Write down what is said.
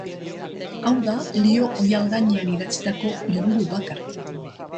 Hau da liho oihal gainean idatzitako liburu bakarra.